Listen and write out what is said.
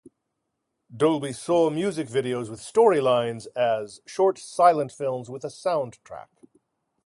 Dolby saw music videos with story lines as "short silent films with a soundtrack".